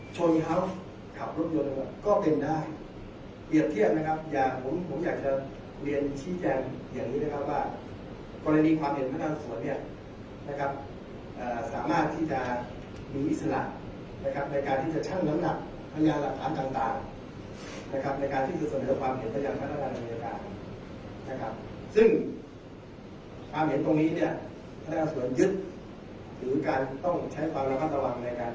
โชว์มีเฮาส์ขับรถยนต์ก็เป็นได้เปรียบเทียบนะครับอย่างผมอยากจะเรียนชี้แจงอย่างนี้นะครับว่ากรณีความเห็นพระราชสวนสามารถที่จะมีอิสระในการที่จะช่างลำหนักพญานหลักฐานต่างในการที่จะสำเร็จความเห็นพญานหลักฐานอเมียการซึ่งความเห็นตรงนี้พระราชสวนยึดหรือการต้องใช้ความระวังตะวังในการข